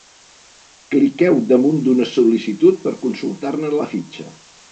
Cliqueu damunt d'una sol·licitud per consultar-ne la fitxa.